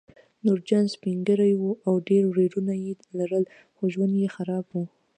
نورجان سپین ږیری و او ډېر ورېرونه یې لرل خو ژوند یې خراب و